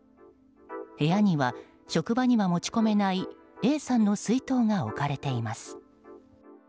部屋には、職場には持ち込めないＡさんの水筒が置かれています。